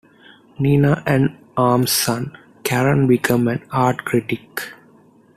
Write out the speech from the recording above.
Nina and Aram's son, Karen, became an art critic.